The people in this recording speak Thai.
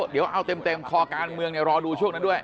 เดี๋ยวเอาเต็มคอการเมืองรอดูช่วงนั้นด้วย